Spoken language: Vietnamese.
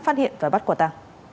phát hiện và bắt của ta